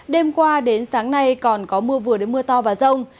đêm qua đến sáng nay còn có mưa vừa đến mưa to và rông